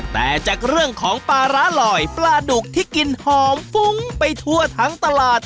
แต่จากเรื่องของปลาร้าลอยปลาดุกที่กินหอมฟุ้งไปทั่วทั้งตลาด